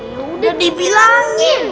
ya udah dibilangin